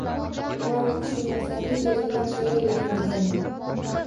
Nimani tushunmasangiz o`zimdan so`rayvering degandim